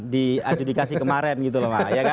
di adjudikasi kemarin gitu loh pak